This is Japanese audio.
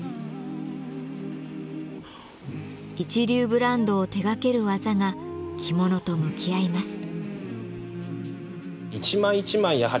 一流ブランドを手がける技が着物と向き合います。